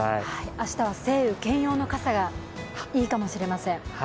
明日は晴雨兼用の傘がいいかもしれません。